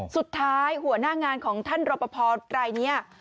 สุดท้ายหัวหน้างานของท่านรปภออายุ๔๘รายเนี่ย